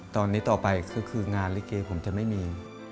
ตอนนี้ต่อไปคืองานลิเกผมจะไม่มี